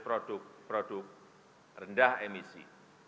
produk produk rendah emisi